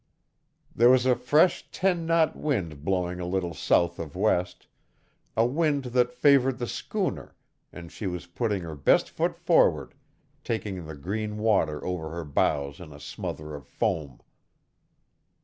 There was a fresh ten knot wind blowing a little south of west a wind that favored the schooner, and she was putting her best foot forward, taking the green water over her bows in a smother of foam.